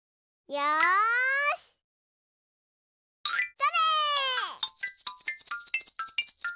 それ！